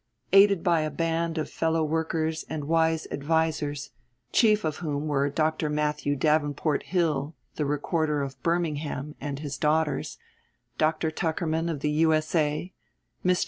Aided by a band of fellow workers and wise advisers, chief of whom were Mr. Matthew Davenport Hill, the Recorder of Birmingham, and his daughters; Dr. Tuckerman, of the U.S.A.; Mr.